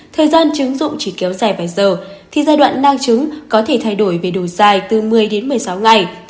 thời gian trứng dụng chỉ kéo dài vài giờ thì giai đoạn nang trứng có thể thay đổi về đủ dài từ một mươi đến một mươi sáu ngày